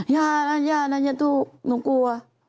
ย่านะย่านะอย่าตู้หนูกลัว